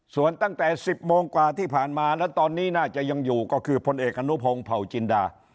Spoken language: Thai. ส่วนตั้งแต่๑๐โมงกว่าที่ผ่านมาและตอนนี้น่าจะยังอยู่ก็คือพลเอกอนุพงศ์เผาจินดา